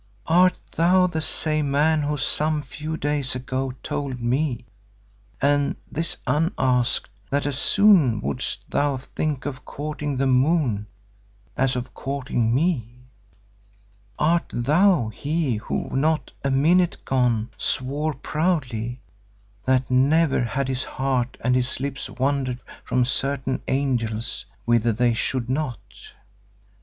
Art thou the same man who some few days ago told me, and this unasked, that as soon wouldst thou think of courting the moon as of courting me? Art thou he who not a minute gone swore proudly that never had his heart and his lips wandered from certain angels whither they should not?